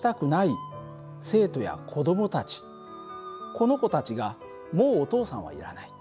この子たちが「もうお父さんはいらない」